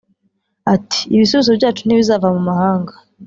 Ati “ Ibisubizo byacu ntibizava mu mahanga